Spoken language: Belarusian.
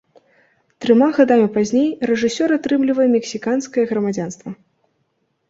Трыма гадамі пазней рэжысёр атрымлівае мексіканскае грамадзянства.